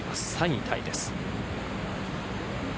３位タイです。